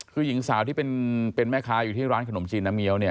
คือหญิงสาวที่เป็นแม่ค้าอยู่ที่ร้านขนมจีนน้ำเี้ยวเนี่ย